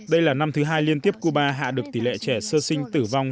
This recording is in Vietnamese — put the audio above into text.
đây là năm thứ hai liên tiếp cuba hạ được tỷ lệ trẻ sơ sinh tử vong